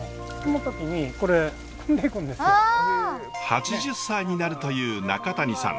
８０歳になるという中谷さん。